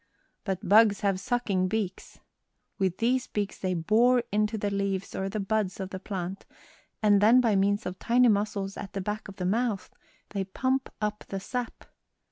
But bugs have sucking beaks. With these beaks they bore into the leaves or the buds of the plant, and then by means of tiny muscles at the back of the mouth they pump up the sap.